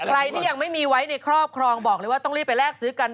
ใครที่ยังไม่มีไว้ในครอบครองบอกเลยว่าต้องรีบไปแลกซื้อกัน